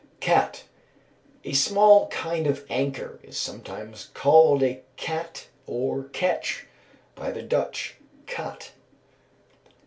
Cat. A small kind of anchor is sometimes called a cat or ketch; by the Dutch, "Kat."